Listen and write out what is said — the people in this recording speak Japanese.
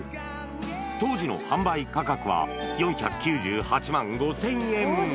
当時の販売価格は４９８万５０００円。